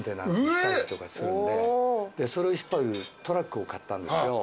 したりとかするんでそれを引っ張るトラックを買ったんですよ。